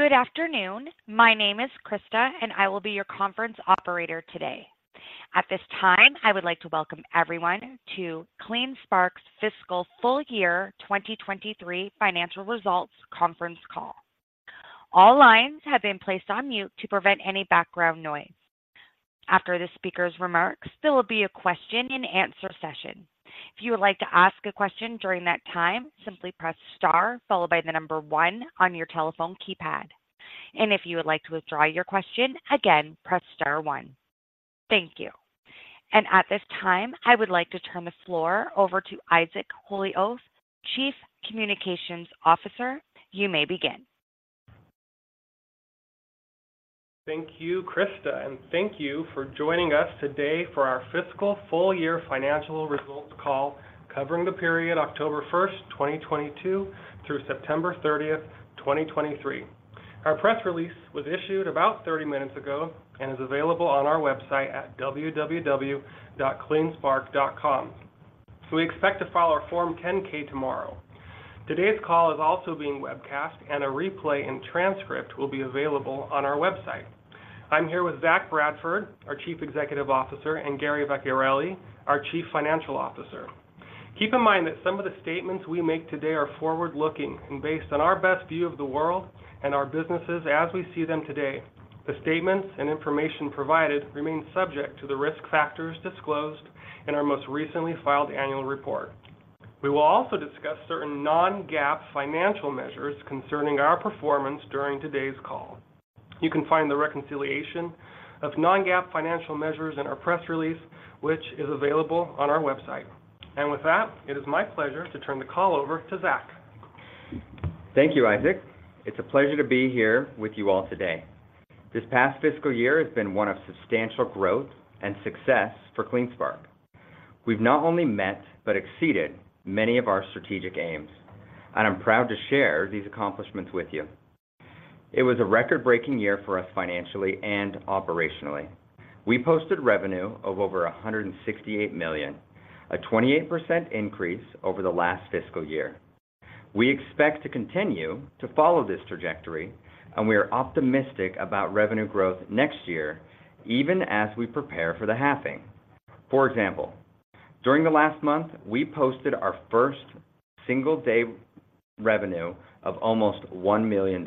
Good afternoon. My name is Krista, and I will be your conference operator today. At this time, I would like to welcome everyone to CleanSpark's Fiscal Full Year 2023 Financial Results Conference Call. All lines have been placed on mute to prevent any background noise. After the speaker's remarks, there will be a question and answer session. If you would like to ask a question during that time, simply press Star followed by the number one on your telephone keypad. If you would like to withdraw your question, again, press Star one. Thank you. At this time, I would like to turn the floor over to Isaac Holyoak, Chief Communications Officer. You may begin. Thank you, Krista, and thank you for joining us today for our fiscal full-year financial results call covering the period October 1, 2022, through September 30, 2023. Our press release was issued about 30 minutes ago and is available on our website at www.cleanspark.com. We expect to file our Form 10-K tomorrow. Today's call is also being webcast, and a replay and transcript will be available on our website. I'm here with Zach Bradford, our Chief Executive Officer, and Gary Vecchiarelli, our Chief Financial Officer. Keep in mind that some of the statements we make today are forward-looking and based on our best view of the world and our businesses as we see them today. The statements and information provided remain subject to the risk factors disclosed in our most recently filed annual report. We will also discuss certain non-GAAP financial measures concerning our performance during today's call. You can find the reconciliation of non-GAAP financial measures in our press release, which is available on our website. With that, it is my pleasure to turn the call over to Zach. Thank you, Isaac. It's a pleasure to be here with you all today. This past fiscal year has been one of substantial growth and success for CleanSpark. We've not only met but exceeded many of our strategic aims, and I'm proud to share these accomplishments with you. It was a record-breaking year for us financially and operationally. We posted revenue of over $168 million, a 28% increase over the last fiscal year. We expect to continue to follow this trajectory, and we are optimistic about revenue growth next year, even as we prepare for the halving. For example, during the last month, we posted our first single-day revenue of almost $1 million.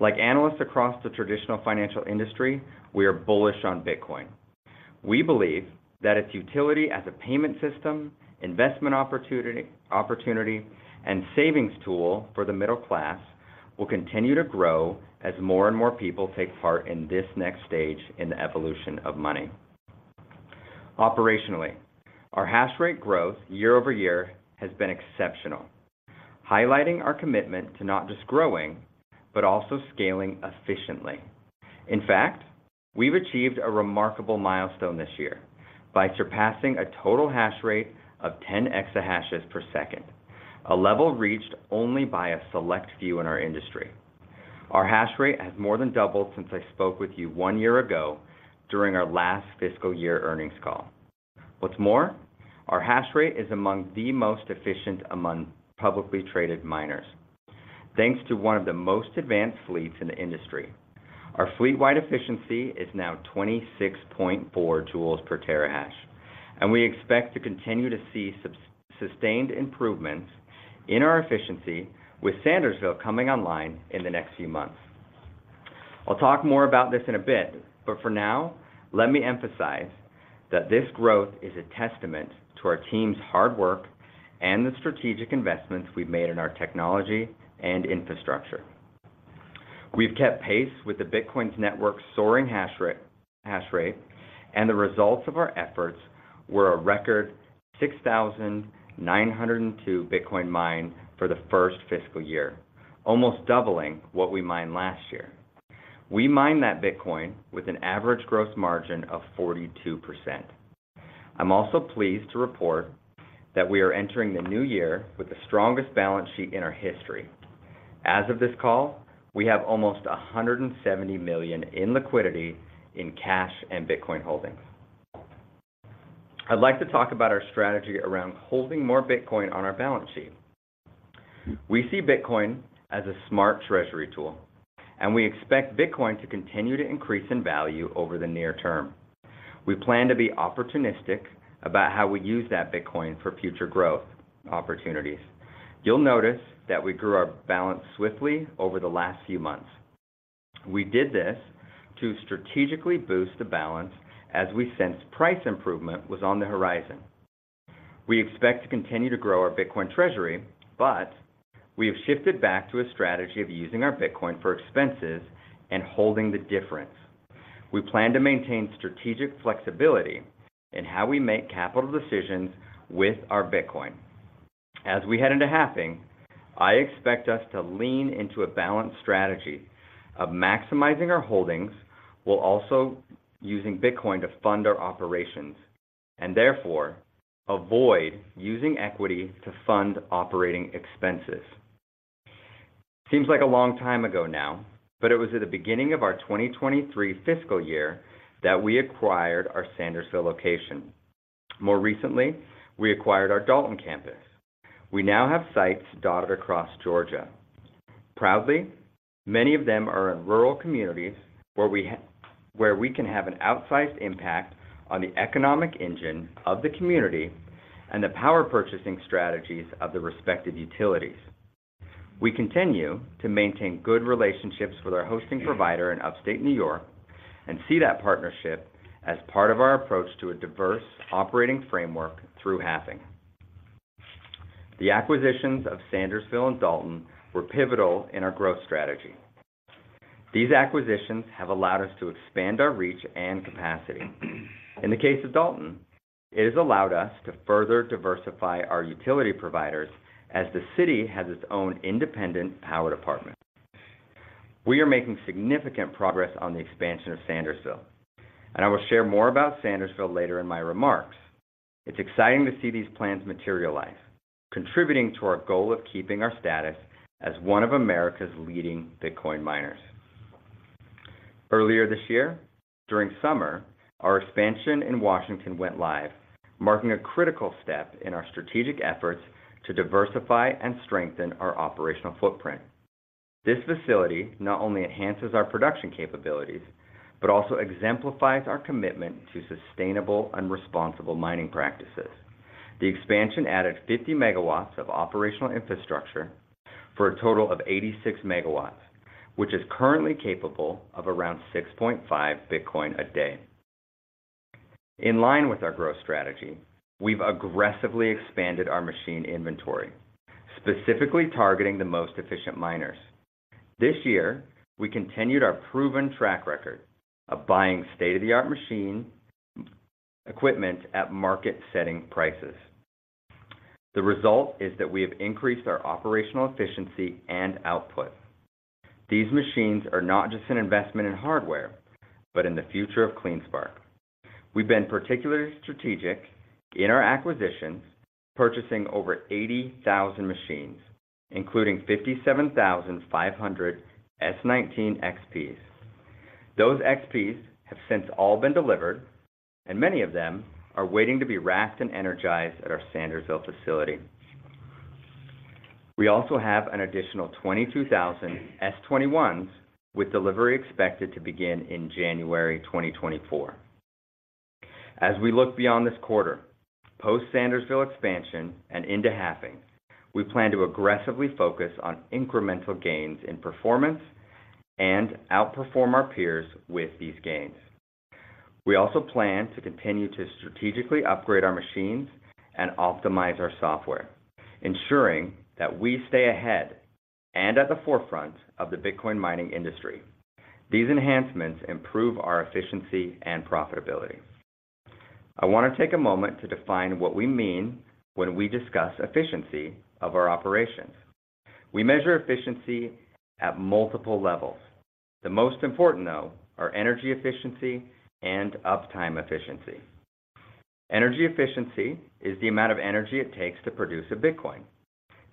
Like analysts across the traditional financial industry, we are bullish on Bitcoin. We believe that its utility as a payment system, investment opportunity, and savings tool for the middle class will continue to grow as more and more people take part in this next stage in the evolution of money. Operationally, our hash rate growth year-over-year has been exceptional, highlighting our commitment to not just growing but also scaling efficiently. In fact, we've achieved a remarkable milestone this year by surpassing a total hash rate of 10 exahashes per second, a level reached only by a select few in our industry. Our hash rate has more than doubled since I spoke with you one year ago during our last fiscal year earnings call. What's more, our hash rate is among the most efficient among publicly traded miners, thanks to one of the most advanced fleets in the industry. Our fleet-wide efficiency is now 26.4 joules per terahash, and we expect to continue to see sustained improvements in our efficiency, with Sandersville coming online in the next few months. I'll talk more about this in a bit, but for now, let me emphasize that this growth is a testament to our team's hard work and the strategic investments we've made in our technology and infrastructure. We've kept pace with the Bitcoin's network soaring hash rate, and the results of our efforts were a record 6,902 Bitcoin mined for the first fiscal year, almost doubling what we mined last year. We mined that Bitcoin with an average gross margin of 42%. I'm also pleased to report that we are entering the new year with the strongest balance sheet in our history. As of this call, we have almost $170 million in liquidity in cash and Bitcoin holdings. I'd like to talk about our strategy around holding more Bitcoin on our balance sheet. We see Bitcoin as a smart treasury tool, and we expect Bitcoin to continue to increase in value over the near term. We plan to be opportunistic about how we use that Bitcoin for future growth opportunities. You'll notice that we grew our balance swiftly over the last few months. We did this to strategically boost the balance as we sensed price improvement was on the horizon. We expect to continue to grow our Bitcoin treasury, but we have shifted back to a strategy of using our Bitcoin for expenses and holding the difference. We plan to maintain strategic flexibility in how we make capital decisions with our Bitcoin. As we head into halving, I expect us to lean into a balanced strategy of maximizing our holdings, while also using Bitcoin to fund our operations, and therefore, avoid using equity to fund operating expenses. Seems like a long time ago now, but it was at the beginning of our 2023 fiscal year that we acquired our Sandersville location.... More recently, we acquired our Dalton campus. We now have sites dotted across Georgia. Proudly, many of them are in rural communities, where we can have an outsized impact on the economic engine of the community and the power purchasing strategies of the respective utilities. We continue to maintain good relationships with our hosting provider in upstate New York, and see that partnership as part of our approach to a diverse operating framework through halving. The acquisitions of Sandersville and Dalton were pivotal in our growth strategy. These acquisitions have allowed us to expand our reach and capacity. In the case of Dalton, it has allowed us to further diversify our utility providers as the city has its own independent power department. We are making significant progress on the expansion of Sandersville, and I will share more about Sandersville later in my remarks. It's exciting to see these plans materialize, contributing to our goal of keeping our status as one of America's leading Bitcoin miners. Earlier this year, during summer, our expansion in Washington went live, marking a critical step in our strategic efforts to diversify and strengthen our operational footprint. This facility not only enhances our production capabilities, but also exemplifies our commitment to sustainable and responsible mining practices. The expansion added 50 MW of operational infrastructure for a total of 86 MW, which is currently capable of around 6.5 Bitcoin a day. In line with our growth strategy, we've aggressively expanded our machine inventory, specifically targeting the most efficient miners. This year, we continued our proven track record of buying state-of-the-art machine equipment at market-setting prices. The result is that we have increased our operational efficiency and output. These machines are not just an investment in hardware, but in the future of CleanSpark. We've been particularly strategic in our acquisitions, purchasing over 80,000 machines, including 57,500 S19 XPs. Those XPs have since all been delivered, and many of them are waiting to be racked and energized at our Sandersville facility. We also have an additional 22,000 S21s, with delivery expected to begin in January 2024. As we look beyond this quarter, post-Sandersville expansion and into halving, we plan to aggressively focus on incremental gains in performance and outperform our peers with these gains. We also plan to continue to strategically upgrade our machines and optimize our software, ensuring that we stay ahead and at the forefront of the Bitcoin mining industry. These enhancements improve our efficiency and profitability. I want to take a moment to define what we mean when we discuss efficiency of our operations. We measure efficiency at multiple levels. The most important, though, are energy efficiency and uptime efficiency. Energy efficiency is the amount of energy it takes to produce a Bitcoin.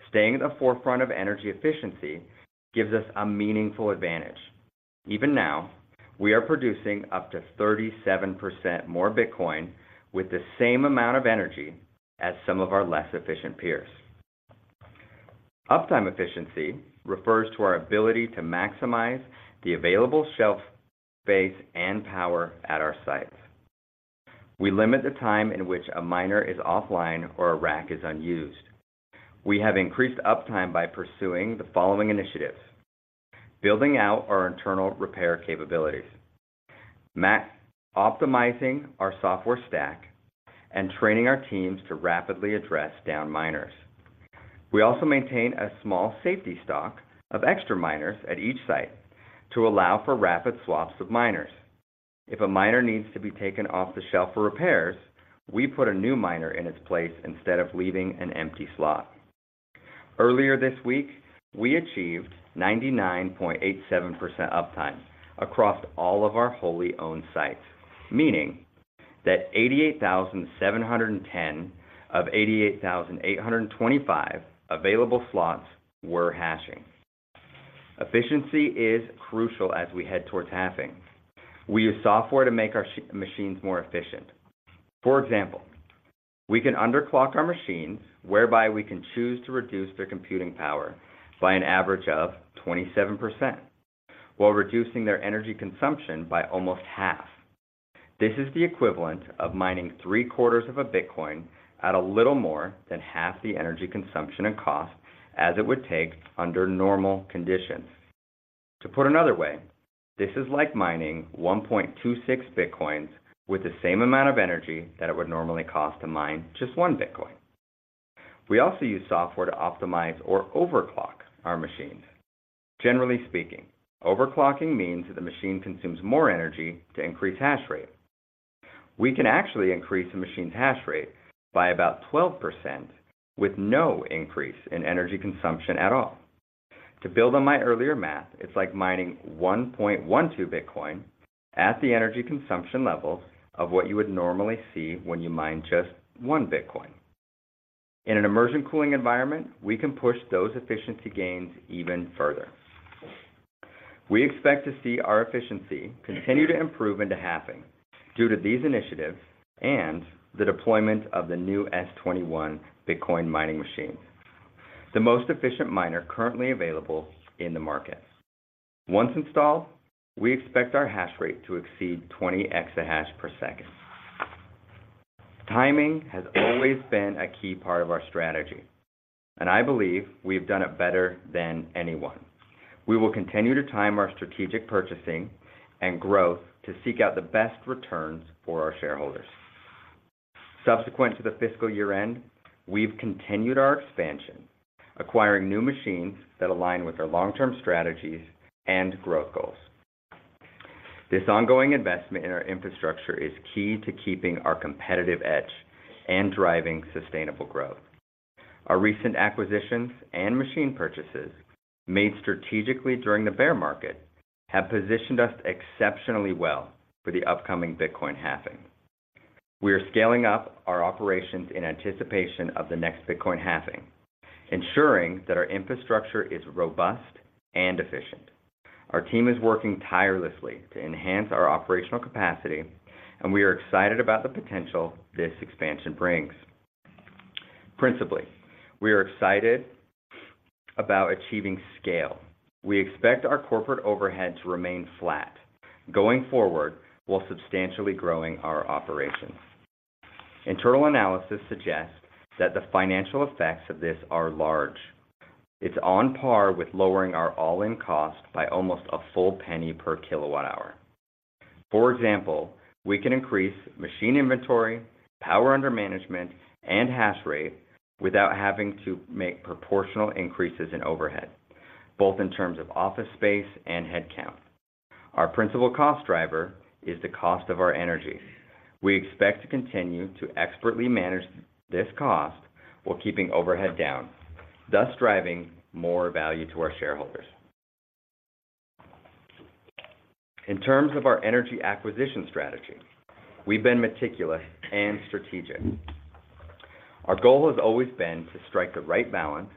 Staying at the forefront of energy efficiency gives us a meaningful advantage. Even now, we are producing up to 37% more Bitcoin with the same amount of energy as some of our less efficient peers. Uptime efficiency refers to our ability to maximize the available shelf space and power at our sites. We limit the time in which a miner is offline or a rack is unused. We have increased uptime by pursuing the following initiatives: building out our internal repair capabilities, optimizing our software stack, and training our teams to rapidly address down miners. We also maintain a small safety stock of extra miners at each site to allow for rapid swaps of miners. If a miner needs to be taken off the shelf for repairs, we put a new miner in its place instead of leaving an empty slot. Earlier this week, we achieved 99.87% uptime across all of our wholly owned sites, meaning that 88,710 of 88,825 available slots were hashing. Efficiency is crucial as we head towards halving. We use software to make our machines more efficient. For example, we can underclock our machines, whereby we can choose to reduce their computing power by an average of 27%, while reducing their energy consumption by almost half. This is the equivalent of mining three-quarters of a Bitcoin at a little more than half the energy consumption and cost as it would take under normal conditions. To put another way, this is like mining 1.26 Bitcoins with the same amount of energy that it would normally cost to mine just one Bitcoin. We also use software to optimize or overclock our machines. Generally speaking, overclocking means that the machine consumes more energy to increase hash rate. We can actually increase the machine's hash rate by about 12%, with no increase in energy consumption at all. To build on my earlier math, it's like mining 1.2 Bitcoin at the energy consumption levels of what you would normally see when you mine just 1 Bitcoin.... In an immersion cooling environment, we can push those efficiency gains even further. We expect to see our efficiency continue to improve into halving due to these initiatives and the deployment of the new S21 Bitcoin mining machine, the most efficient miner currently available in the market. Once installed, we expect our hash rate to exceed 20 exahash per second. Timing has always been a key part of our strategy, and I believe we've done it better than anyone. We will continue to time our strategic purchasing and growth to seek out the best returns for our shareholders. Subsequent to the fiscal year-end, we've continued our expansion, acquiring new machines that align with our long-term strategies and growth goals. This ongoing investment in our infrastructure is key to keeping our competitive edge and driving sustainable growth. Our recent acquisitions and machine purchases, made strategically during the bear market, have positioned us exceptionally well for the upcoming Bitcoin halving. We are scaling up our operations in anticipation of the next Bitcoin halving, ensuring that our infrastructure is robust and efficient. Our team is working tirelessly to enhance our operational capacity, and we are excited about the potential this expansion brings. Principally, we are excited about achieving scale. We expect our corporate overhead to remain flat going forward, while substantially growing our operations. Internal analysis suggests that the financial effects of this are large. It's on par with lowering our all-in cost by almost $0.01 per kWh. For example, we can increase machine inventory, power under management, and hash rate without having to make proportional increases in overhead, both in terms of office space and headcount. Our principal cost driver is the cost of our energy. We expect to continue to expertly manage this cost while keeping overhead down, thus driving more value to our shareholders. In terms of our energy acquisition strategy, we've been meticulous and strategic. Our goal has always been to strike the right balance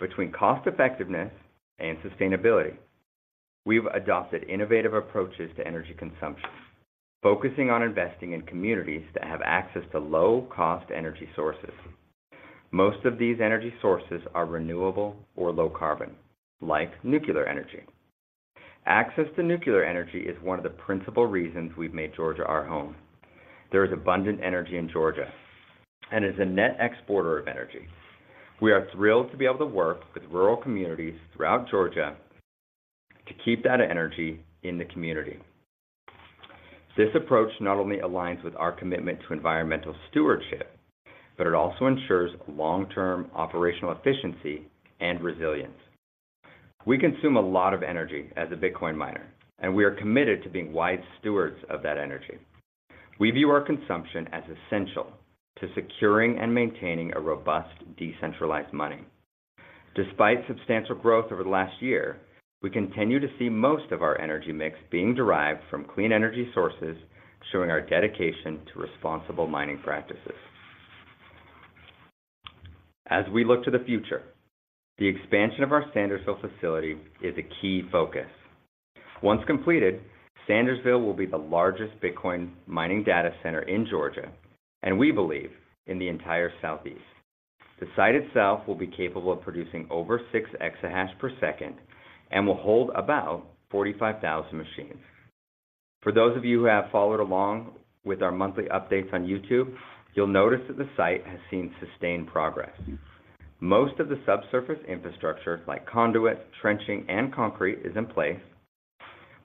between cost effectiveness and sustainability. We've adopted innovative approaches to energy consumption, focusing on investing in communities that have access to low-cost energy sources. Most of these energy sources are renewable or low carbon, like nuclear energy. Access to nuclear energy is one of the principal reasons we've made Georgia our home. There is abundant energy in Georgia, and as a net exporter of energy, we are thrilled to be able to work with rural communities throughout Georgia to keep that energy in the community. This approach not only aligns with our commitment to environmental stewardship, but it also ensures long-term operational efficiency and resilience. We consume a lot of energy as a Bitcoin miner, and we are committed to being wise stewards of that energy. We view our consumption as essential to securing and maintaining a robust, decentralized money. Despite substantial growth over the last year, we continue to see most of our energy mix being derived from clean energy sources, showing our dedication to responsible mining practices. As we look to the future, the expansion of our Sandersville facility is a key focus. Once completed, Sandersville will be the largest Bitcoin mining data center in Georgia, and we believe in the entire Southeast. The site itself will be capable of producing over 6 exahash per second and will hold about 45,000 machines. For those of you who have followed along with our monthly updates on YouTube, you'll notice that the site has seen sustained progress. Most of the subsurface infrastructure, like conduit, trenching, and concrete, is in place,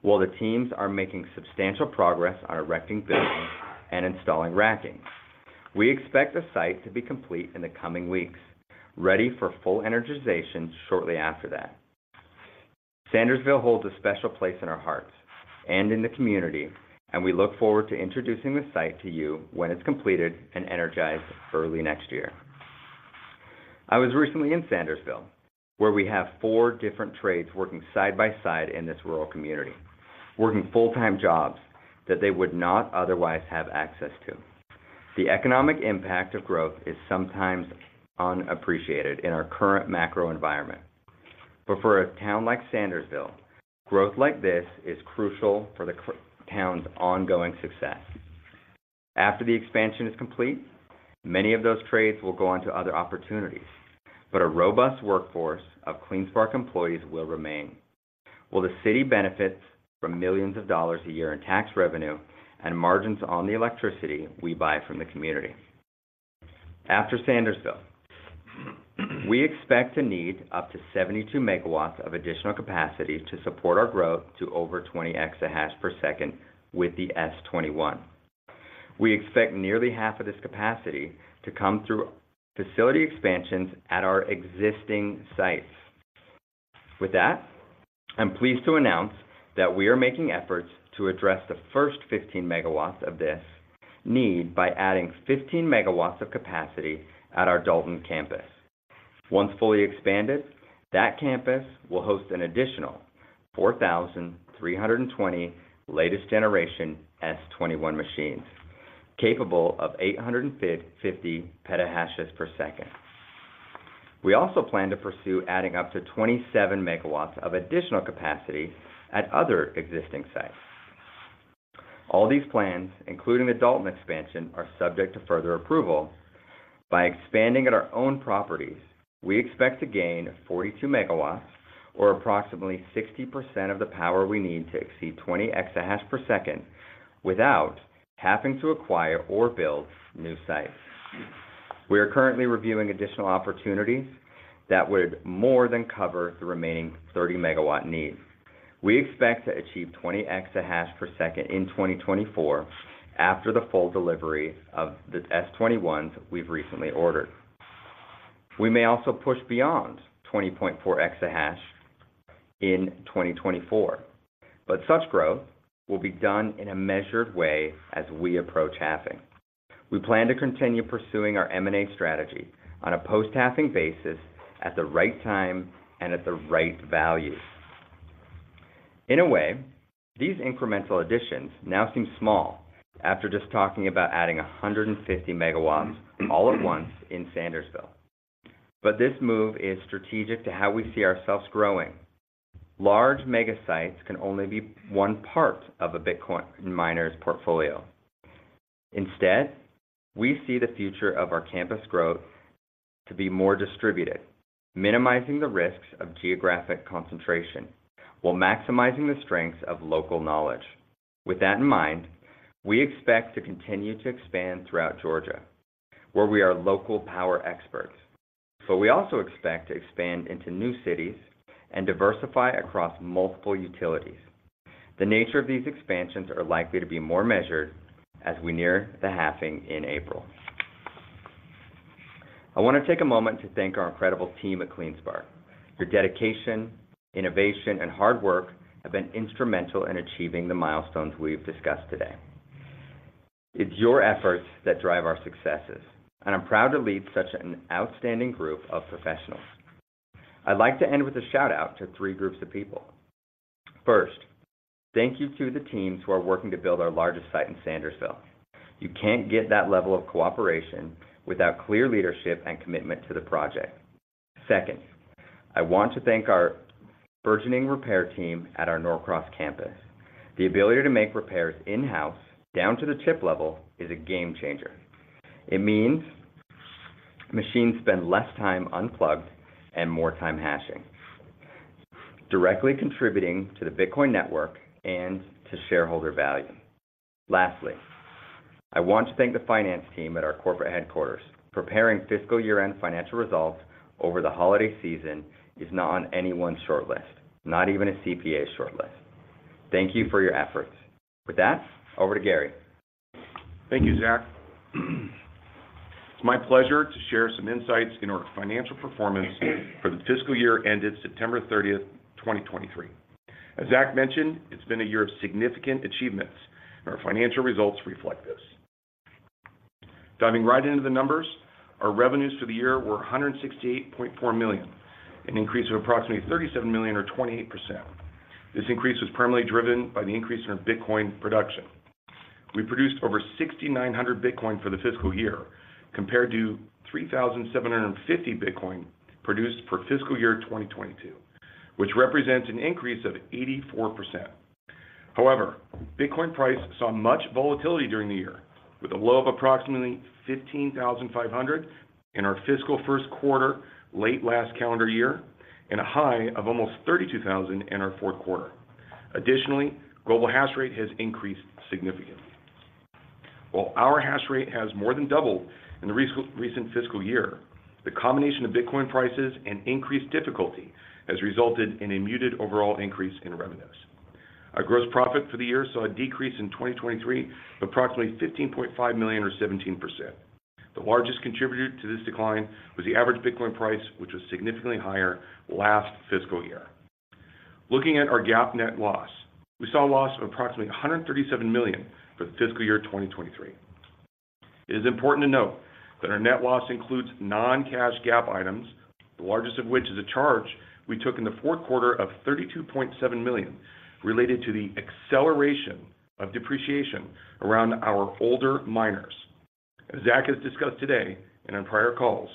while the teams are making substantial progress on erecting buildings and installing racking. We expect the site to be complete in the coming weeks, ready for full energization shortly after that. Sandersville holds a special place in our hearts and in the community, and we look forward to introducing the site to you when it's completed and energized early next year. I was recently in Sandersville, where we have four different trades working side by side in this rural community, working full-time jobs that they would not otherwise have access to. The economic impact of growth is sometimes unappreciated in our current macro environment, but for a town like Sandersville, growth like this is crucial for the town's ongoing success. After the expansion is complete, many of those trades will go on to other opportunities, but a robust workforce of CleanSpark employees will remain, while the city benefits from $ millions a year in tax revenue and margins on the electricity we buy from the community. After Sandersville, we expect to need up to 72 MW of additional capacity to support our growth to over 20 exahash per second with the S21. We expect nearly half of this capacity to come through facility expansions at our existing sites. With that, I'm pleased to announce that we are making efforts to address the first 15 MW of this need by adding 15 MW of capacity at our Dalton campus. Once fully expanded, that campus will host an additional 4,320 latest generation S21 machines, capable of 850 PH/s. We also plan to pursue adding up to 27 MW of additional capacity at other existing sites. All these plans, including the Dalton expansion, are subject to further approval. By expanding at our own properties, we expect to gain 42 MW, or approximately 60% of the power we need to exceed 20 EH/s, without having to acquire or build new sites. We are currently reviewing additional opportunities that would more than cover the remaining 30-MW needs. We expect to achieve 20 EH/s in 2024 after the full delivery of the S21s we've recently ordered. We may also push beyond 20.4 EH/s in 2024, but such growth will be done in a measured way as we approach halving. We plan to continue pursuing our M&A strategy on a post-halving basis at the right time and at the right value. In a way, these incremental additions now seem small after just talking about adding 150 MW all at once in Sandersville. But this move is strategic to how we see ourselves growing. Large mega sites can only be one part of a Bitcoin miner's portfolio. Instead, we see the future of our campus growth to be more distributed, minimizing the risks of geographic concentration while maximizing the strengths of local knowledge. With that in mind, we expect to continue to expand throughout Georgia, where we are local power experts. But we also expect to expand into new cities and diversify across multiple utilities. The nature of these expansions are likely to be more measured as we near the halving in April. I want to take a moment to thank our incredible team at CleanSpark. Your dedication, innovation, and hard work have been instrumental in achieving the milestones we've discussed today. It's your efforts that drive our successes, and I'm proud to lead such an outstanding group of professionals. I'd like to end with a shout-out to three groups of people. First, thank you to the teams who are working to build our largest site in Sandersville. You can't get that level of cooperation without clear leadership and commitment to the project. Second, I want to thank our burgeoning repair team at our Norcross campus. The ability to make repairs in-house, down to the chip level, is a game changer. It means machines spend less time unplugged and more time hashing, directly contributing to the Bitcoin network and to shareholder value. Lastly, I want to thank the finance team at our corporate headquarters. Preparing fiscal year-end financial results over the holiday season is not on anyone's short list, not even a CPA short list. Thank you for your efforts. With that, over to Gary. Thank you, Zach. It's my pleasure to share some insights in our financial performance for the fiscal year ended September 30, 2023. As Zach mentioned, it's been a year of significant achievements, and our financial results reflect this. Diving right into the numbers, our revenues for the year were $168.4 million, an increase of approximately $37 million, or 28%. This increase was primarily driven by the increase in our Bitcoin production. We produced over 6,900 Bitcoin for the fiscal year, compared to 3,750 Bitcoin produced for fiscal year 2022, which represents an increase of 84%. However, Bitcoin price saw much volatility during the year, with a low of approximately $15,500 in our fiscal first quarter, late last calendar year, and a high of almost $32,000 in our fourth quarter. Additionally, global hash rate has increased significantly. While our hash rate has more than doubled in the recent fiscal year, the combination of Bitcoin prices and increased difficulty has resulted in a muted overall increase in revenues. Our gross profit for the year saw a decrease in 2023 of approximately $15.5 million, or 17%. The largest contributor to this decline was the average Bitcoin price, which was significantly higher last fiscal year. Looking at our GAAP net loss, we saw a loss of approximately $137 million for the fiscal year 2023. It is important to note that our net loss includes non-cash GAAP items, the largest of which is a charge we took in the fourth quarter of $32.7 million, related to the acceleration of depreciation around our older miners. As Zach has discussed today and on prior calls,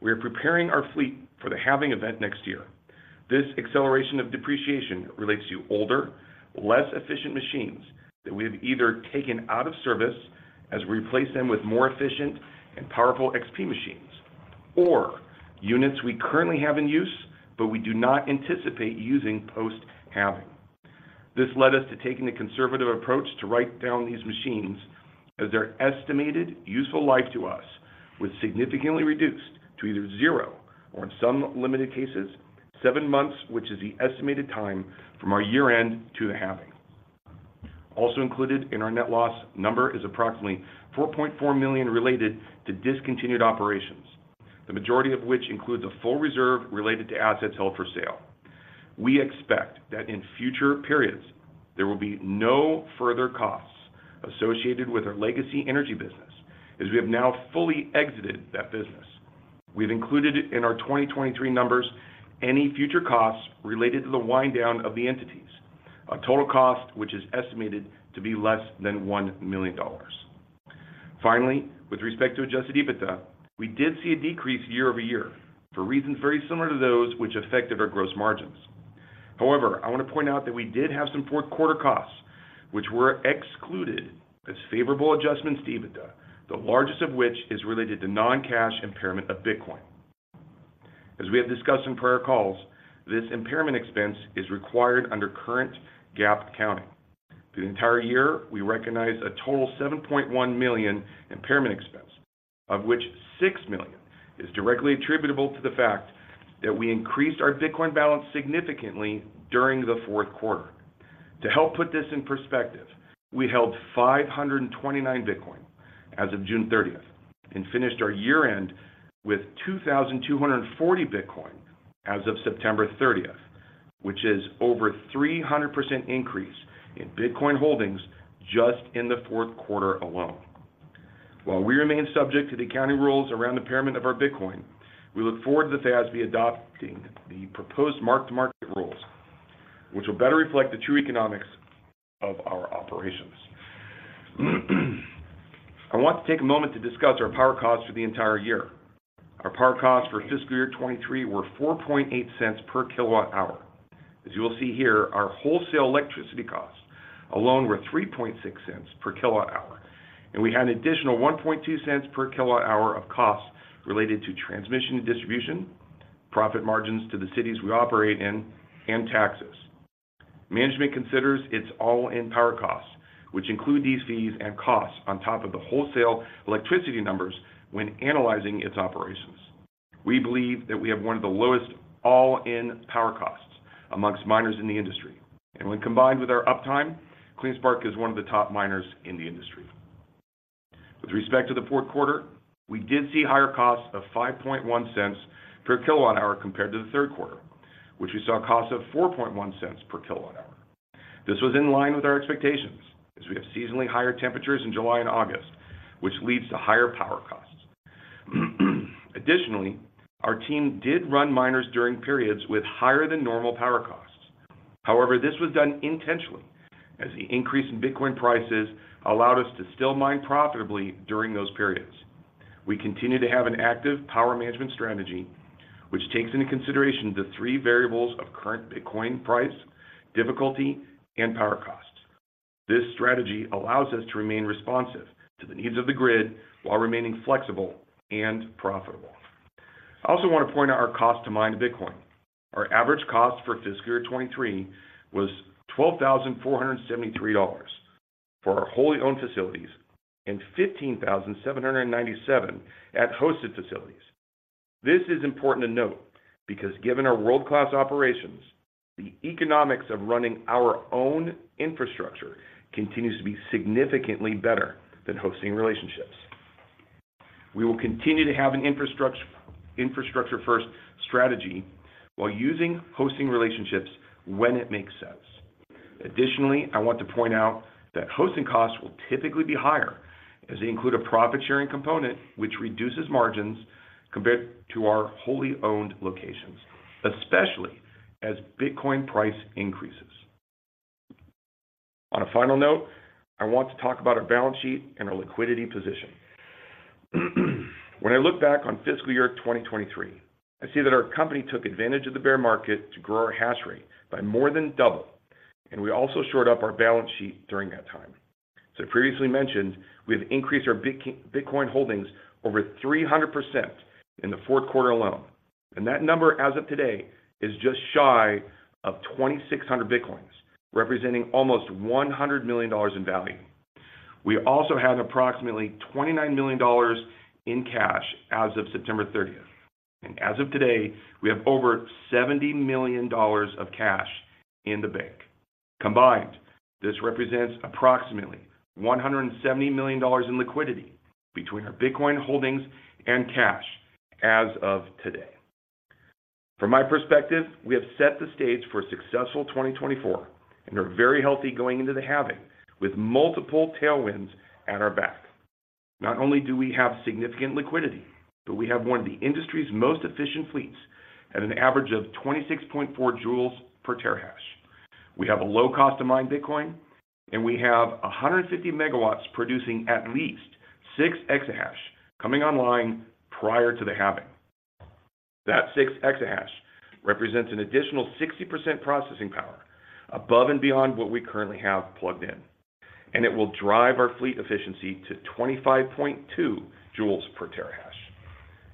we are preparing our fleet for the halving event next year. This acceleration of depreciation relates to older, less efficient machines that we have either taken out of service as we replace them with more efficient and powerful XP machines, or units we currently have in use, but we do not anticipate using post-halving. This led us to taking a conservative approach to write down these machines as their estimated useful life to us was significantly reduced to either zero or in some limited cases, seven months, which is the estimated time from our year-end to the halving. Also included in our net loss number is approximately $4.4 million related to discontinued operations, the majority of which includes a full reserve related to assets held for sale. We expect that in future periods, there will be no further costs associated with our legacy energy business, as we have now fully exited that business. We've included in our 2023 numbers any future costs related to the wind down of the entities, a total cost, which is estimated to be less than $1 million. Finally, with respect to adjusted EBITDA, we did see a decrease year-over-year for reasons very similar to those which affected our gross margins. However, I want to point out that we did have some fourth quarter costs, which were excluded as favorable adjustments to EBITDA, the largest of which is related to non-cash impairment of Bitcoin. As we have discussed in prior calls, this impairment expense is required under current GAAP accounting. For the entire year, we recognized a total $7.1 million impairment expense, of which $6 million is directly attributable to the fact that we increased our Bitcoin balance significantly during the fourth quarter. To help put this in perspective, we held 529 Bitcoin as of June 30th, and finished our year-end with 2,240 Bitcoin as of September 30th, which is over 300% increase in Bitcoin holdings just in the fourth quarter alone. While we remain subject to the accounting rules around impairment of our Bitcoin, we look forward to the FASB adopting the proposed mark-to-market rules, which will better reflect the true economics of our operations. I want to take a moment to discuss our power costs for the entire year. Our power costs for fiscal year 2023 were $0.048 per kWh. As you will see here, our wholesale electricity costs alone were $0.036 per kWh, and we had an additional $0.012 per kWh of costs related to transmission and distribution, profit margins to the cities we operate in, and taxes. Management considers its all-in power costs, which include these fees and costs on top of the wholesale electricity numbers when analyzing its operations. We believe that we have one of the lowest all-in power costs amongst miners in the industry, and when combined with our uptime, CleanSpark is one of the top miners in the industry. With respect to the fourth quarter, we did see higher costs of $0.051 per kWh compared to the third quarter, which we saw costs of $0.041 per kWh. This was in line with our expectations, as we have seasonally higher temperatures in July and August, which leads to higher power costs. Additionally, our team did run miners during periods with higher than normal power costs. However, this was done intentionally, as the increase in Bitcoin prices allowed us to still mine profitably during those periods. We continue to have an active power management strategy, which takes into consideration the three variables of current Bitcoin price, difficulty, and power costs. This strategy allows us to remain responsive to the needs of the grid while remaining flexible and profitable. I also want to point out our cost to mine Bitcoin. Our average cost for fiscal year 2023 was $12,473 for our wholly owned facilities and $15,797 at hosted facilities. This is important to note because given our world-class operations, the economics of running our own infrastructure continues to be significantly better than hosting relationships. We will continue to have an infrastructure-first strategy while using hosting relationships when it makes sense. Additionally, I want to point out that hosting costs will typically be higher, as they include a profit-sharing component, which reduces margins compared to our wholly owned locations, especially as Bitcoin price increases. On a final note, I want to talk about our balance sheet and our liquidity position. When I look back on fiscal year 2023, I see that our company took advantage of the bear market to grow our hash rate by more than double, and we also shored up our balance sheet during that time. So previously mentioned, we've increased our Bitcoin holdings over 300% in the fourth quarter alone, and that number, as of today, is just shy of 2,600 Bitcoins, representing almost $100 million in value. We also had approximately $29 million in cash as of September 30th, and as of today, we have over $70 million of cash in the bank. Combined, this represents approximately $170 million in liquidity between our Bitcoin holdings and cash as of today. From my perspective, we have set the stage for a successful 2024 and are very healthy going into the halving, with multiple tailwinds at our back. Not only do we have significant liquidity, but we have one of the industry's most efficient fleets at an average of 26.4 J/Th. We have a low cost to mine Bitcoin, and we have 150 MW producing at least 6 EH/s coming online prior to the halving. That 6 EH/s represents an additional 60% processing power above and beyond what we currently have plugged in, and it will drive our fleet efficiency to 25.2 J/Th.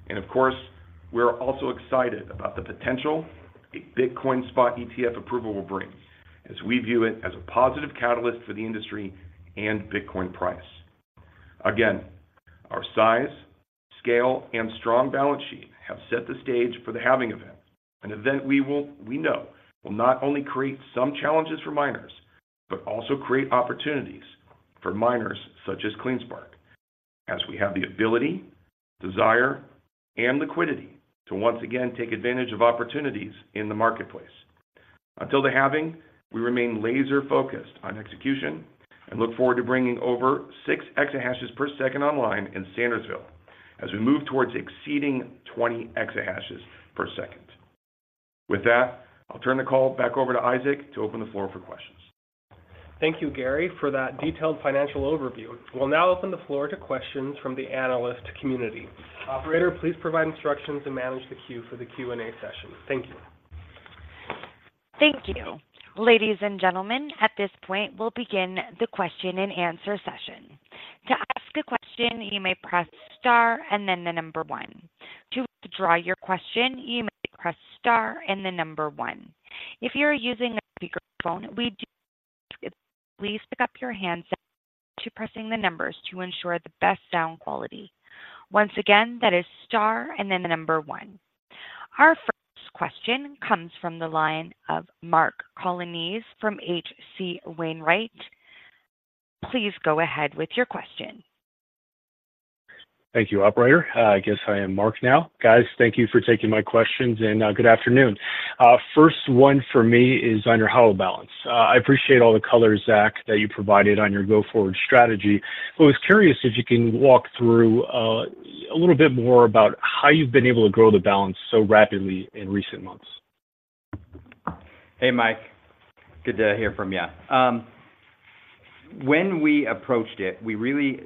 And of course, we are also excited about the potential a Bitcoin spot ETF approval will bring, as we view it as a positive catalyst for the industry and Bitcoin price. Again, our size, scale, and strong balance sheet have set the stage for the halving event, an event we know will not only create some challenges for miners, but also create opportunities for miners such as CleanSpark.... as we have the ability, desire, and liquidity to once again take advantage of opportunities in the marketplace. Until the halving, we remain laser focused on execution and look forward to bringing over 6 exahashes per second online in Sandersville, as we move towards exceeding 20 exahashes per second. With that, I'll turn the call back over to Isaac to open the floor for questions. Thank you, Gary, for that detailed financial overview. We'll now open the floor to questions from the analyst community. Operator, please provide instructions and manage the queue for the Q&A session. Thank you. Thank you. Ladies and gentlemen, at this point, we'll begin the question-and-answer session. To ask a question, you may press star and then the number 1. To withdraw your question, you may press star and the number 1. If you are using a speakerphone, please pick up your handset before pressing the numbers to ensure the best sound quality. Once again, that is star and then the number 1. Our first question comes from the line of Mike Colonnese from H.C. Wainwright. Please go ahead with your question. Thank you, operator. I guess I am Mark now. Guys, thank you for taking my questions, and, good afternoon. First one for me is on your HODL balance. I appreciate all the color, Zach, that you provided on your go-forward strategy. I was curious if you can walk through, a little bit more about how you've been able to grow the balance so rapidly in recent months. Hey, Mike. Good to hear from you. When we approached it, we really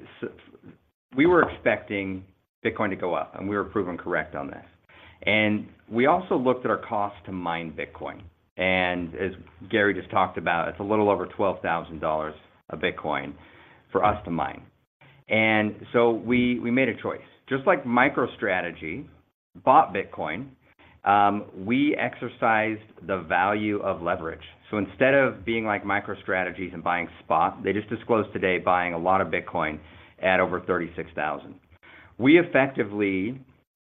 we were expecting Bitcoin to go up, and we were proven correct on this. And we also looked at our cost to mine Bitcoin. And as Gary just talked about, it's a little over $12,000 a Bitcoin for us to mine. And so we, we made a choice. Just like MicroStrategy bought Bitcoin, we exercised the value of leverage. So instead of being like MicroStrategy and buying spot, they just disclosed today buying a lot of Bitcoin at over $36,000. We effectively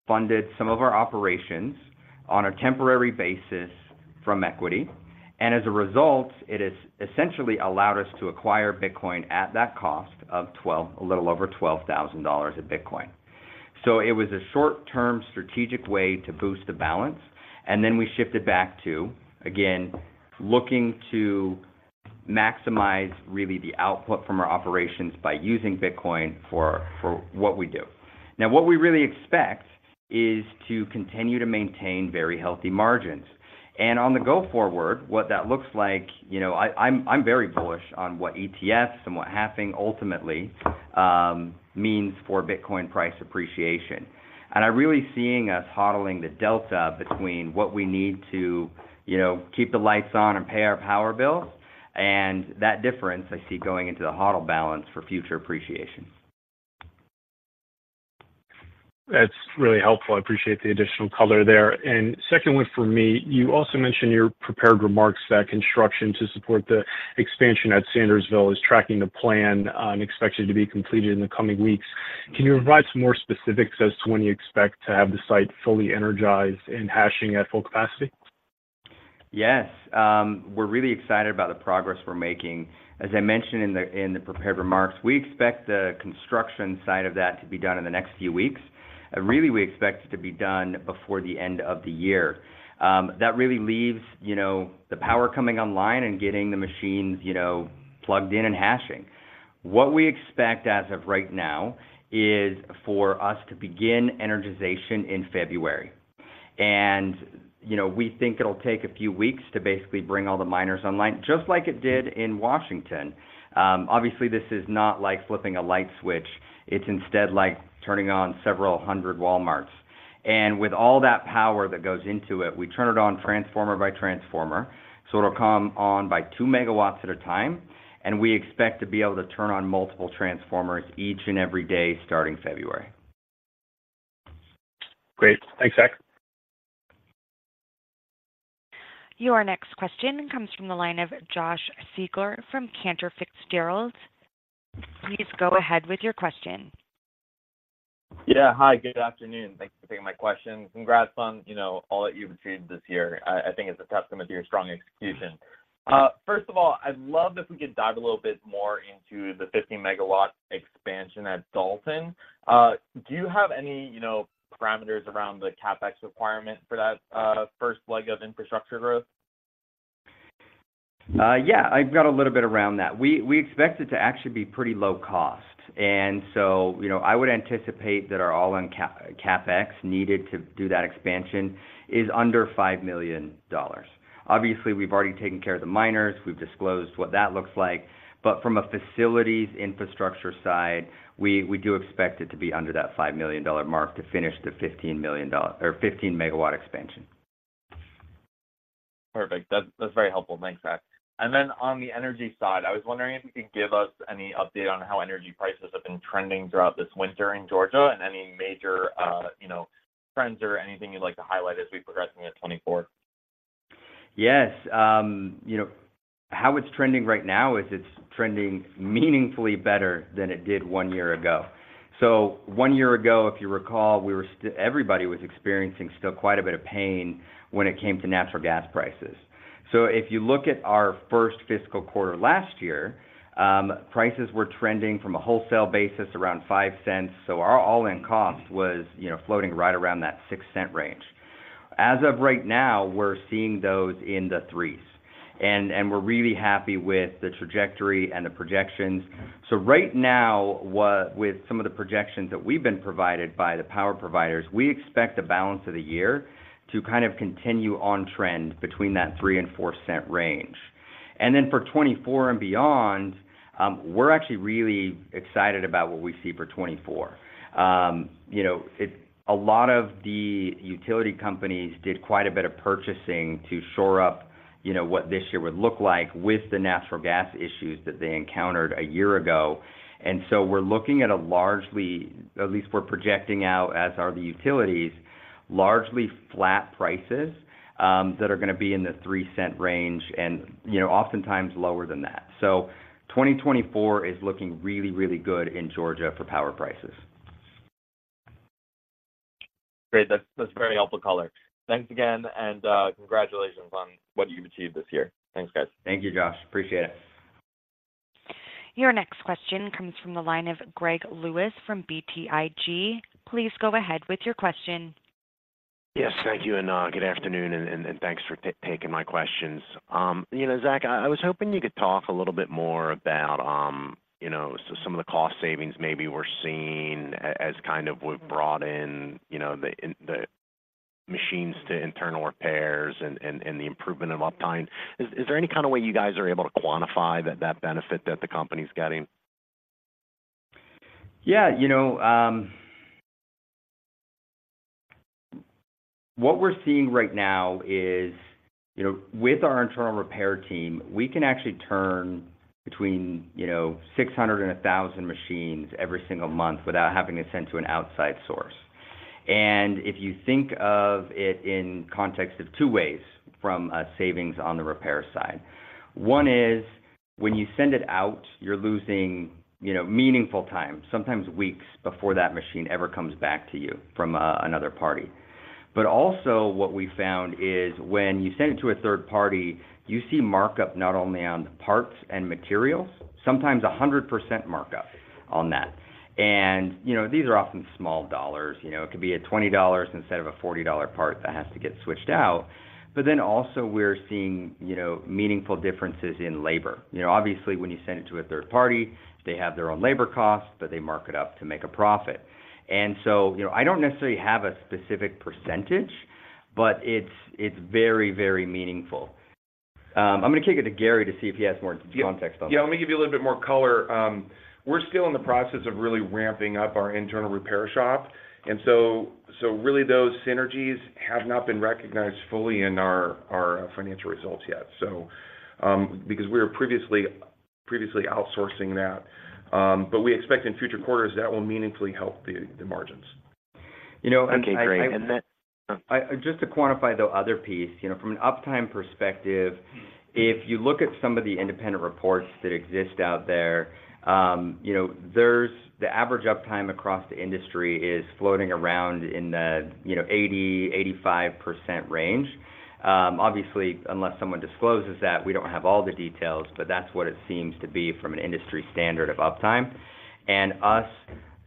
funded some of our operations on a temporary basis from equity, and as a result, it has essentially allowed us to acquire Bitcoin at that cost of a little over $12,000 a Bitcoin. So it was a short-term strategic way to boost the balance, and then we shifted back to, again, looking to maximize really the output from our operations by using Bitcoin for what we do. Now, what we really expect is to continue to maintain very healthy margins. And on the go forward, what that looks like, you know, I'm very bullish on what ETFs and what's happening ultimately means for Bitcoin price appreciation. And I'm really seeing us HODLing the delta between what we need to, you know, keep the lights on and pay our power bills, and that difference I see going into the HODL balance for future appreciation. That's really helpful. I appreciate the additional color there. Second one for me, you also mentioned your prepared remarks that construction to support the expansion at Sandersville is tracking the plan, and expected to be completed in the coming weeks. Can you provide some more specifics as to when you expect to have the site fully energized and hashing at full capacity? Yes. We're really excited about the progress we're making. As I mentioned in the prepared remarks, we expect the construction side of that to be done in the next few weeks. Really, we expect it to be done before the end of the year. That really leaves, you know, the power coming online and getting the machines, you know, plugged in and hashing. What we expect as of right now is for us to begin energization in February. And, you know, we think it'll take a few weeks to basically bring all the miners online, just like it did in Washington. Obviously, this is not like flipping a light switch. It's instead like turning on several hundred Walmarts. With all that power that goes into it, we turn it on transformer by transformer, so it'll come on by 2 MW at a time, and we expect to be able to turn on multiple transformers each and every day, starting February. Great. Thanks, Zach. Your next question comes from the line of Josh Siegler from Cantor Fitzgerald. Please go ahead with your question. Yeah. Hi, good afternoon. Thank you for taking my question. Congrats on, you know, all that you've achieved this year. I think it's a testament to your strong execution. First of all, I'd love if we could dive a little bit more into the 50 MW expansion at Dalton. Do you have any, you know, parameters around the CapEx requirement for that, first leg of infrastructure growth? Yeah, I've got a little bit around that. We expect it to actually be pretty low cost. And so, you know, I would anticipate that our all-in CapEx needed to do that expansion is under $5 million. Obviously, we've already taken care of the miners. We've disclosed what that looks like. But from a facilities infrastructure side, we do expect it to be under that $5 million mark to finish the 15 MW expansion. Perfect. That's, that's very helpful. Thanks, Zach. And then on the energy side, I was wondering if you could give us any update on how energy prices have been trending throughout this winter in Georgia and any major, you know, trends or anything you'd like to highlight as we progress into 2024? Yes, you know, how it's trending right now is it's trending meaningfully better than it did one year ago. So one year ago, if you recall, we were, everybody was experiencing still quite a bit of pain when it came to natural gas prices. So if you look at our first fiscal quarter last year, prices were trending from a wholesale basis around $0.05. So our all-in cost was, you know, floating right around that $0.06 range. As of right now, we're seeing those in the 3s, and we're really happy with the trajectory and the projections. So right now, with some of the projections that we've been provided by the power providers, we expect the balance of the year to kind of continue on trend between that $0.03 and $0.04 range. And then for 2024 and beyond, we're actually really excited about what we see for 2024. You know, it, a lot of the utility companies did quite a bit of purchasing to shore up, you know, what this year would look like with the natural gas issues that they encountered a year ago. And so we're looking at a largely, at least we're projecting out, as are the utilities, largely flat prices that are gonna be in the $0.03 range and, you know, oftentimes lower than that. So 2024 is looking really, really good in Georgia for power prices. Great. That's, that's very helpful color. Thanks again, and, congratulations on what you've achieved this year. Thanks, guys. Thank you, Josh. Appreciate it. Your next question comes from the line of Greg Lewis from BTIG. Please go ahead with your question. Yes, thank you, and good afternoon, and thanks for taking my questions. You know, Zach, I was hoping you could talk a little bit more about, you know, so some of the cost savings maybe we're seeing as kind of what brought in the machines to internal repairs and the improvement of uptime. Is there any kind of way you guys are able to quantify that benefit that the company's getting? Yeah, you know, what we're seeing right now is, you know, with our internal repair team, we can actually turn between 600 and 1,000 machines every single month without having to send to an outside source. And if you think of it in context of two ways from a savings on the repair side: one is, when you send it out, you're losing, you know, meaningful time, sometimes weeks before that machine ever comes back to you from another party. But also, what we found is when you send it to a third party, you see markup not only on parts and materials, sometimes 100% markup on that. And, you know, these are often small dollars. You know, it could be a $20 instead of a $40 part that has to get switched out. But then also we're seeing, you know, meaningful differences in labor. You know, obviously, when you send it to a third party, they have their own labor costs, but they mark it up to make a profit. And so, you know, I don't necessarily have a specific percentage, but it's, it's very, very meaningful. I'm gonna kick it to Gary to see if he has more context on that. Yeah, let me give you a little bit more color. We're still in the process of really ramping up our internal repair shop, and so really those synergies have not been recognized fully in our financial results yet, so because we were previously outsourcing that. But we expect in future quarters, that will meaningfully help the margins. You know, and I- Okay, great. And then- I, just to quantify the other piece, you know, from an uptime perspective, if you look at some of the independent reports that exist out there, you know, there's the average uptime across the industry is floating around in the, you know, 80% to 85% range. Obviously, unless someone discloses that, we don't have all the details, but that's what it seems to be from an industry standard of uptime. And us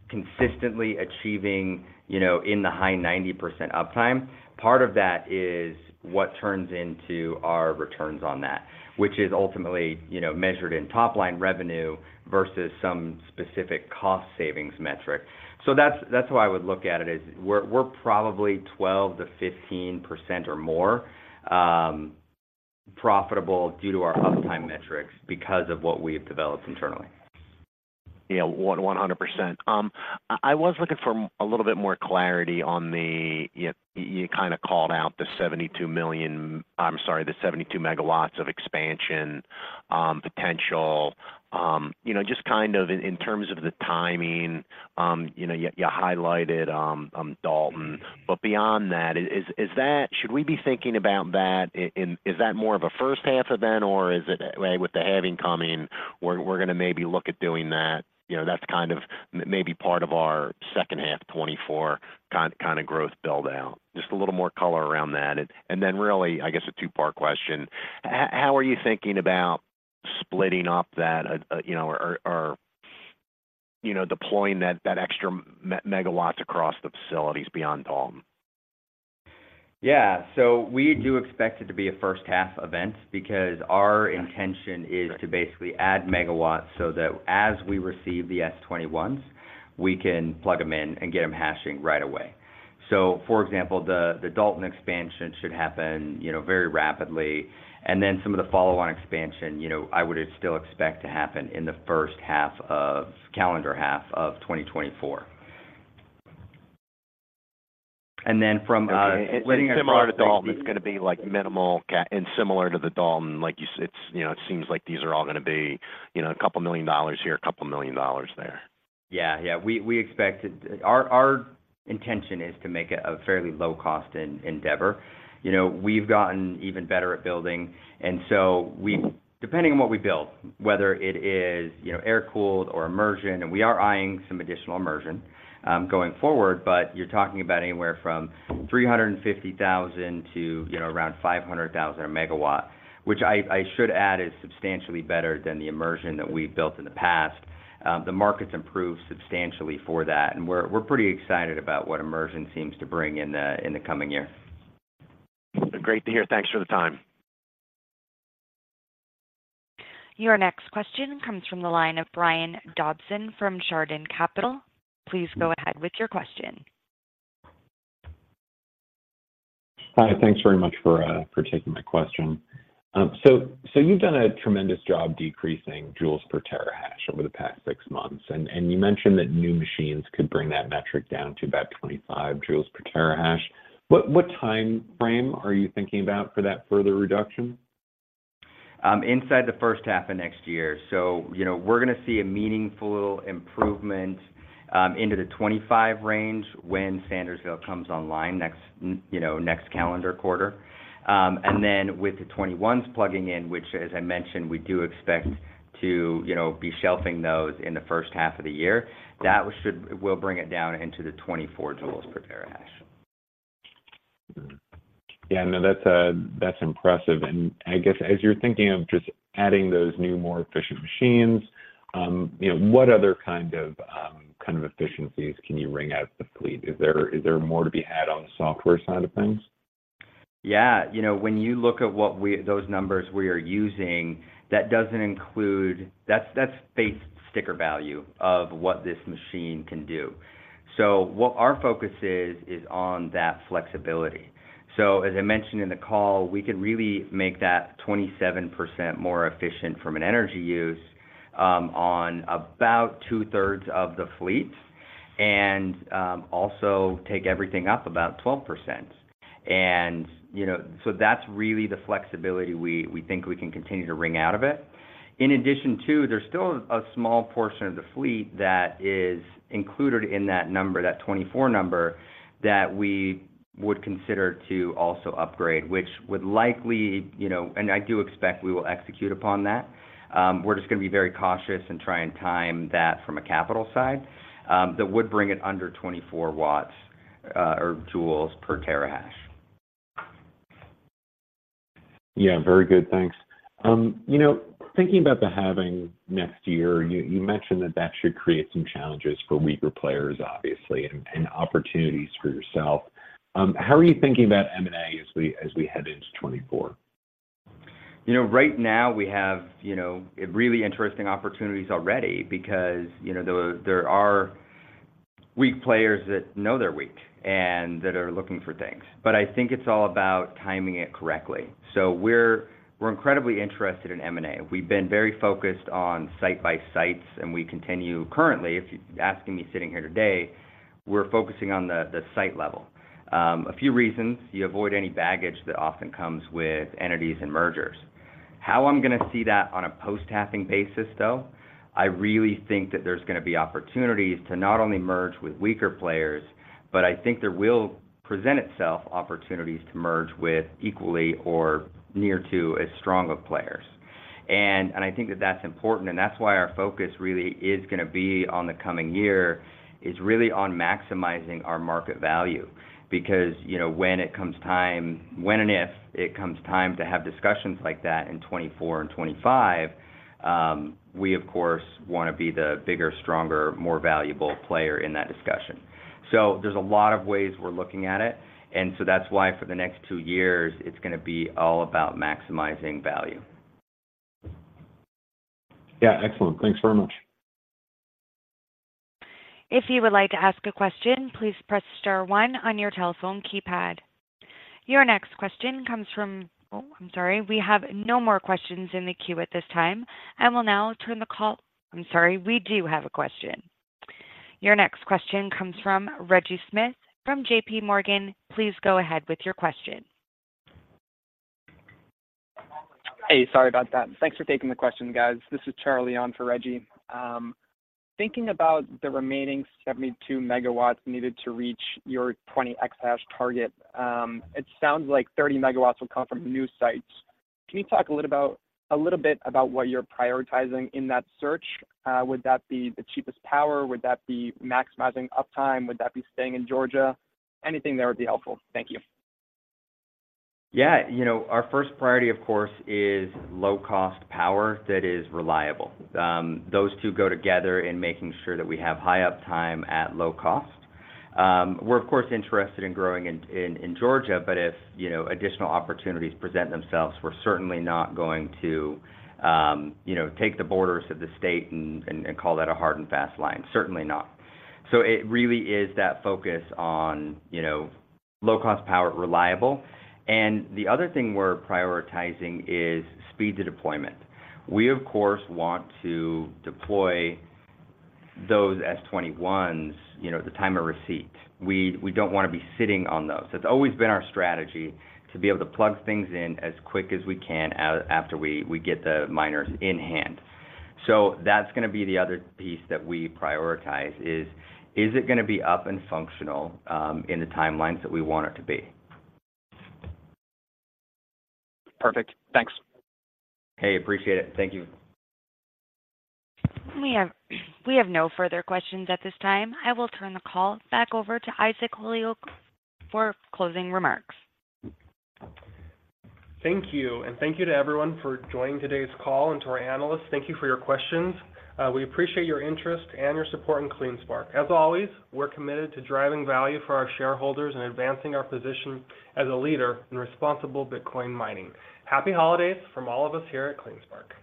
consistently achieving, you know, in the high 90% uptime, part of that is what turns into our returns on that, which is ultimately, you know, measured in top-line revenue versus some specific cost savings metric. So that's, that's how I would look at it, is we're, we're probably 12% to 15% or more, profitable due to our uptime metrics because of what we've developed internally. Yeah, 100%. I was looking for a little bit more clarity on the... You kind of called out the 72 megawatts of expansion potential. You know, just kind of in terms of the timing, you know, you highlighted Dalton, but beyond that, is that, should we be thinking about that in, is that more of a first half event, or is it, with the halving coming, we're gonna maybe look at doing that? You know, that's kind of maybe part of our second half 2024 kind of growth build out. Just a little more color around that. And then really, I guess a two-part question: How are you thinking about splitting up that, you know, or you know, deploying that extra megawatts across the facilities beyond Dalton? Yeah. So we do expect it to be a first half event because our intention is to basically add megawatts so that as we receive the S21s, we can plug them in and get them hashing right away. So for example, the, the Dalton expansion should happen, you know, very rapidly, and then some of the follow-on expansion, you know, I would still expect to happen in the first half of calendar half of 2024. And then from, letting- Similar to Dalton, it's gonna be, like, minimal and similar to the Dalton. It's, you know, it seems like these are all gonna be, you know, $ a couple million here, $ a couple million there. Yeah, yeah, we expect it—our intention is to make it a fairly low-cost endeavor. You know, we've gotten even better at building, and so we—depending on what we build, whether it is, you know, air-cooled or immersion, and we are eyeing some additional immersion going forward. But you're talking about anywhere from $350,000 to around $500,000 a megawatt, which I should add, is substantially better than the immersion that we've built in the past. The market's improved substantially for that, and we're pretty excited about what immersion seems to bring in the coming year. Great to hear. Thanks for the time. Your next question comes from the line of Brian Dobson from Chardan Capital. Please go ahead with your question. Hi, thanks very much for taking my question. So, you've done a tremendous job decreasing joules per terahash over the past six months, and you mentioned that new machines could bring that metric down to about 25 joules per terahash. What time frame are you thinking about for that further reduction? Inside the first half of next year. So, you know, we're gonna see a meaningful improvement into the 25 range when Sandersville comes online next, you know, next calendar quarter. And then with the 21s plugging in, which, as I mentioned, we do expect to, you know, be shelving those in the first half of the year. That will bring it down into the 24 J/Th. Yeah, no, that's impressive. And I guess as you're thinking of just adding those new, more efficient machines, you know, what other kind of kind of efficiencies can you wring out of the fleet? Is there, is there more to be had on the software side of things? Yeah. You know, when you look at what we—those numbers we are using, that doesn't include—that's the face sticker value of what this machine can do. So our focus is on that flexibility. So as I mentioned in the call, we could really make that 27% more efficient from an energy use on about two-thirds of the fleet, and also take everything up about 12%. And, you know, so that's really the flexibility we think we can continue to wring out of it. In addition, there's still a small portion of the fleet that is included in that number, that 24 number, that we would consider to also upgrade, which would likely, you know. And I do expect we will execute upon that. We're just gonna be very cautious and try and time that from a capital side, that would bring it under 24 watts, or joules per terahash. Yeah, very good. Thanks. You know, thinking about the halving next year, you mentioned that that should create some challenges for weaker players, obviously, and opportunities for yourself. How are you thinking about M&A as we head into 2024? You know, right now we have, you know, really interesting opportunities already because, you know, there are weak players that know they're weak and that are looking for things. But I think it's all about timing it correctly. So we're incredibly interested in M&A. We've been very focused on site by sites, and we continue currently, if you're asking me, sitting here today, we're focusing on the site level. A few reasons: you avoid any baggage that often comes with entities and mergers. How I'm gonna see that on a post-halving basis, though, I really think that there's gonna be opportunities to not only merge with weaker players, but I think there will present itself opportunities to merge with equally or near to as strong of players. And I think that that's important, and that's why our focus really is gonna be on the coming year, is really on maximizing our market value. Because, you know, when it comes time, when and if it comes time to have discussions like that in 2024 and 2025, we, of course, wanna be the bigger, stronger, more valuable player in that discussion. So there's a lot of ways we're looking at it, and so that's why for the next two years, it's gonna be all about maximizing value. Yeah, excellent. Thanks very much. If you would like to ask a question, please press star one on your telephone keypad. Your next question comes from... Oh, I'm sorry, we have no more questions in the queue at this time, and we'll now turn the call. I'm sorry, we do have a question. Your next question comes from Reggie Smith, from JPMorgan. Please go ahead with your question. Hey, sorry about that. Thanks for taking the question, guys. This is Charlie on for Reggie. Thinking about the remaining 72 MW needed to reach your 20 exahash target, it sounds like 30 MW will come from new sites. Can you talk a little bit about what you're prioritizing in that search? Would that be the cheapest power? Would that be maximizing uptime? Would that be staying in Georgia? Anything there would be helpful. Thank you. Yeah. You know, our first priority, of course, is low-cost power that is reliable. Those two go together in making sure that we have high uptime at low cost. We're, of course, interested in growing in Georgia, but if, you know, additional opportunities present themselves, we're certainly not going to, you know, take the borders of the state and call that a hard and fast line. Certainly not. So it really is that focus on, you know, low-cost power, reliable. And the other thing we're prioritizing is speed to deployment. We, of course, want to deploy those S21s, you know, at the time of receipt. We don't wanna be sitting on those. It's always been our strategy to be able to plug things in as quick as we can after we get the miners in hand. So that's gonna be the other piece that we prioritize: Is it gonna be up and functional, in the timelines that we want it to be? Perfect. Thanks. Hey, appreciate it. Thank you. We have no further questions at this time. I will turn the call back over to Isaac Holyoak for closing remarks. Thank you, and thank you to everyone for joining today's call. To our analysts, thank you for your questions. We appreciate your interest and your support in CleanSpark. As always, we're committed to driving value for our shareholders and advancing our position as a leader in responsible Bitcoin mining. Happy holidays from all of us here at CleanSpark!